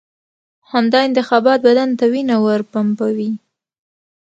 همدا انتخابات بدن ته وینه ورپمپوي.